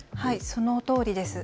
そのとおりです。